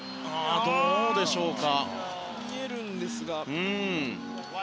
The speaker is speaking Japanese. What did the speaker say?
どうでしょうか。